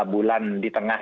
dua bulan di tengah